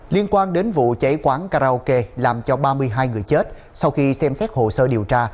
liên quan đến vụ cháy quán karaoke làm cho ba mươi hai người chết sau khi xem xét hồ sơ điều tra